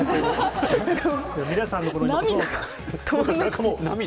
皆さんのこの。